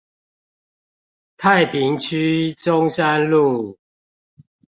太平區中山路